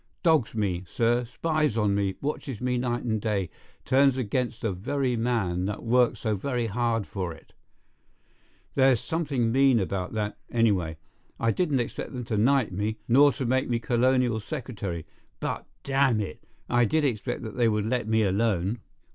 Dogs me, sir, spies on me, watches me night and day, turns against the very man that worked so very hard for it. There's something mean about that, anyway. I didn't expect them to knight me, nor to make me colonial secretary; but, damn it! I did expect that they would let me alone!"